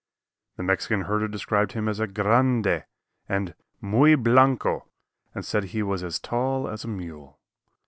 The Mexican herder described him as "grande" and "muy blanco" and said he was as tall as a mule.